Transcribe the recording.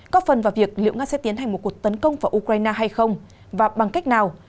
có phần vào việc liệu nga sẽ tiến hành một cuộc tấn công vào ukraine hay không và bằng cách nào